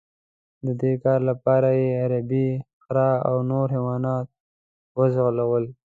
د دې کار لپاره یې عربي خره او نور حیوانات وځغلول.